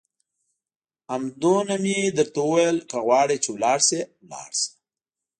همدومره مې درته وویل، که غواړې چې ولاړ شې ولاړ شه.